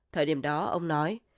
thời điểm đó ông nói